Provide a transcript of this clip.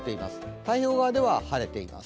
太平洋側では晴れています。